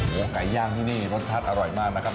ไก่ย่างที่นี่รสชาติอร่อยมากนะครับ